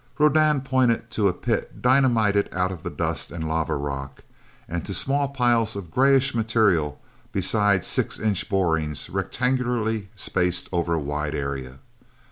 Rodan pointed to a pit dynamited out of the dust and lava rock, and to small piles of greyish material beside six inch borings rectangularly spaced over a wide area.